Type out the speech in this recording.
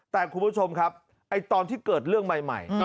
แต่คุณผู้ชมครับตอนที่เกิดเรื่องใหม่